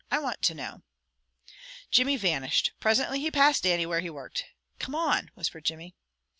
I want to know." Jimmy vanished. Presently he passed Dannie where he worked. "Come on," whispered Jimmy.